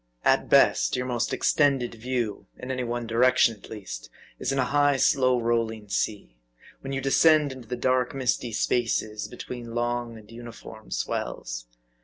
At best, your most extended view in any one direction, at least, is in a high, slow rolling sea ; when you descend into the dark, misty spaces, between long and uniform swells.